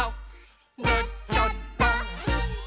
「なっちゃった！」